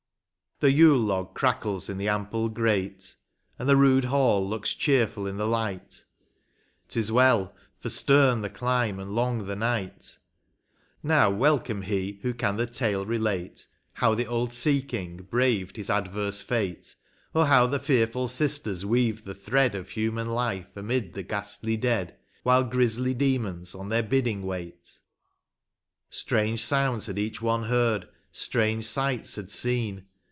The yule log crackles in the ample grate^ And the rude hall looks cheerful in the light ; 'T is well, for stem the clime and long the night ; Now welcome he who can the tale relate. How the old sea king hraved his adverse fate ; Or how the fearful sisters weave the thread Of human life amid the ghastly dead. While grisly demons on their bidding wait. Strange sounds had each one heard, strange sights had seen.